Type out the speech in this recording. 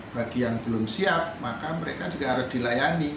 bagi yang belum siap maka mereka juga harus dilayani